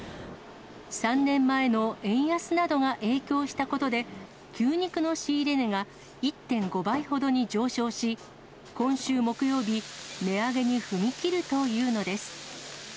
３年前の円安などが影響したことで、牛肉の仕入れ値が１．５倍ほどに上昇し、今週木曜日、値上げに踏み切るというのです。